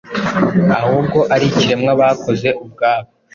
ahubwo ari ikiremwa bakoze ubwabo